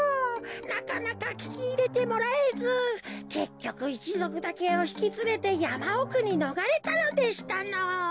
なかなかききいれてもらえずけっきょくいちぞくだけをひきつれてやまおくにのがれたのでしたのぉ。